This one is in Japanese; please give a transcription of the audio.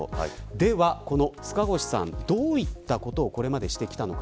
では、塚越さんはどういったことをこれまでしてきたのか。